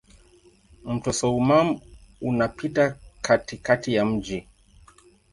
Mto Soummam unapita katikati ya mji.